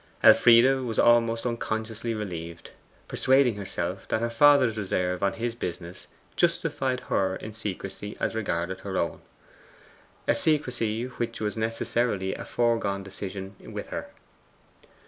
Elfride was almost unconsciously relieved, persuading herself that her father's reserve on his business justified her in secrecy as regarded her own a secrecy which was necessarily a foregone decision with her.